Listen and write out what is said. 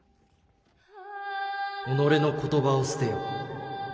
己の言葉を捨てよ。